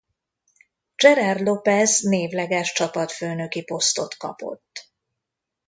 Gerard Lopez névleges csapatfőnöki posztot kapott.